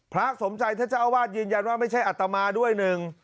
พระสมใจท่าเจ้าวาทย์ยืนยันว่าไม่ใช่อัตมาด้วยนึง